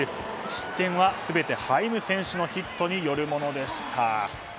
失点は全てハイム選手のヒットによるものでした。